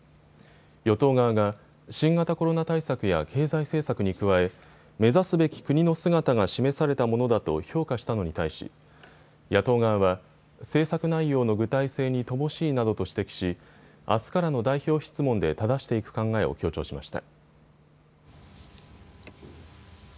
与党側が新型コロナ対策や経済政策に加え目指すべき国の姿が示されたものだと評価したのに対し野党側は政策内容の具体性に乏しいなどと指摘しあすからの代表質問でただしていく考えを強調しました。